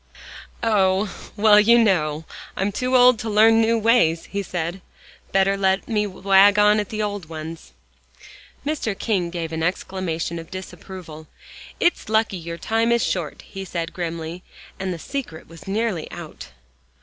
"Oh! well, you know, I'm too old to learn new ways," he said. "Better let me wag on at the old ones." Mr. King gave an exclamation of disapproval. "It's lucky your time is short," he said grimly, and the secret was nearly out!